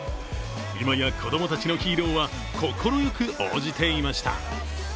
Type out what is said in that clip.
今や子供たちのヒーローは快く応じていました。